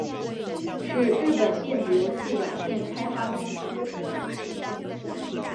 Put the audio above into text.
是日本电子游戏软体开发公司。